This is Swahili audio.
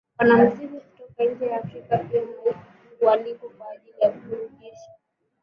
Wanamuziki kutoka nje ya africa pia hualikwa kwa ajili ya kuburudisha